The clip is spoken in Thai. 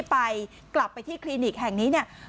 ไปกลับไปที่คลินิกแห่งนี้เนี่ย